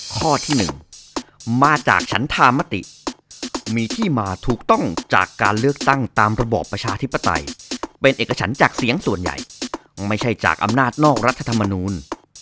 ข้อที่๑มาจากฉันธามติมีที่มาถูกต้องจากการเลือกตั้งตามระบอบประชาธิปไตยเป็นเอกฉันจากเสียงส่วนใหญ่ไม่ใช่จากอำนาจนอกรัฐธรรมนูล